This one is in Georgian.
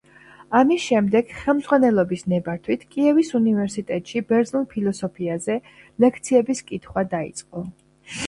ამის შემდეგ, ხელმძღვანელობის ნებართვით, კიევის უნივერსიტეტში ბერძნულ ფილოსოფიაზე ლექციების კითხვა დაიწყო.